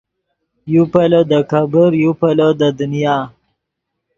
یو پیلو دے کېبر یو پیلو دے دنیا